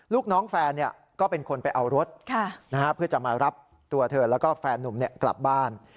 ลูกน้องแฟนก็เป็นคนไปเอารถเพื่อจะมารับตัวเธอแล้วก็แฟนนุ่มกลับบ้าน